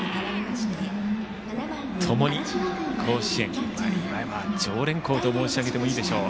共に甲子園常連校と申し上げてもいいでしょう。